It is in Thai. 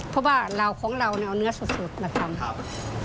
เพราะว่าเราของเราเนื้อสุดมาทำครับ